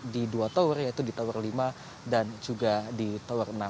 di dua tower yaitu di tower lima dan juga di tower enam